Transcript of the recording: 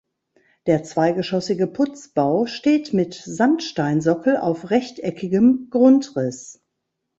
Der zweigeschossige Putzbau steht mit Sandsteinsockel auf rechteckigem Grundriss.